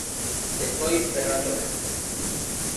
Despois, Ferrán Torres.